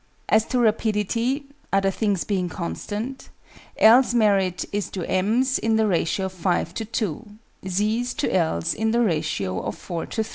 _ As to rapidity (other things being constant) L's merit is to M's in the ratio of 5 to 2: Z's to L's in the ratio of 4 to 3.